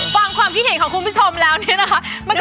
ฟังความคิดเห็นของคุณผู้ชมแล้วเนี่ยนะคะ